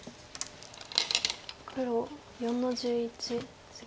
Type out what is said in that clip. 黒４の十一ツギ。